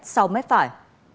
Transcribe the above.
sau mết phải